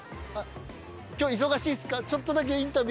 今日忙しいですか？